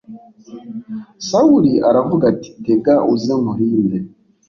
sawuli aravuga ati tega uze nkurinde